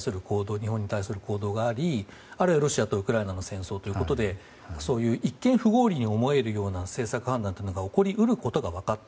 日本に対する行動がありあるいは、ロシアとウクライナの戦争ということでそういう一見不合理に思えるような政策判断が起こり得ることが分かった。